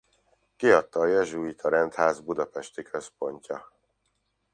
Kiadta a Jezsuita rendház budapesti központja.